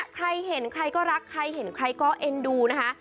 ใครเห็นใครก็รักใครเห็นใครก็เอ็นดูนะคะ